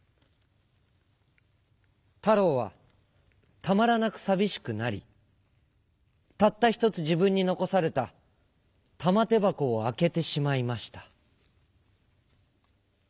たろうはたまらなくさびしくなりたったひとつじぶんにのこされたたまてばこをあけてしまいました。